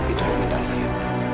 itu permintaan saya